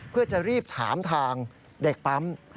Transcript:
เพื่อจะรีบถามทางเด็กปั๊ม